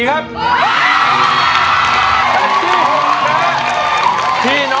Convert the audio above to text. แผ่นที่๖นะ